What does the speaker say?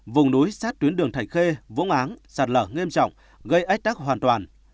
vùng núi sát tuyến đường thành khê vũng áng sạt lở nghiêm trọng gây ách tắc hoàn toàn